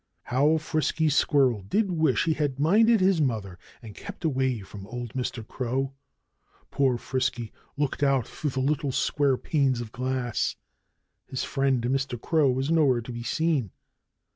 How Frisky Squirrel did wish he had minded his mother and kept away from old Mr. Crow! Poor Frisky looked out through the little square panes of glass. His friend Mr. Crow was nowhere to be seen.